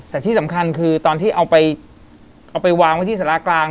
แต่ที่สำคัญคือตอนที่เอาไปเอาไปวางไว้ที่สารากลาง